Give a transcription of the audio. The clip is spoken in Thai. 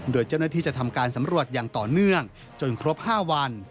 โดยเจ้าหน้าที่จะทำการสำรวจอย่างต่อเนื่องจนครบ๕วัน